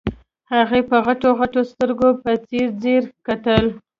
هغې په غټو غټو سترګو په ځير ځير کتل.